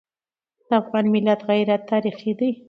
د افغان ملت غیرت تاریخي دی.